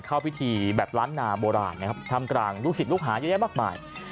เข้าพิธีแบบล้านนาโบราณนะครับทำกลางลูกศิษย์ลูกหาเยอะแยะมากมาย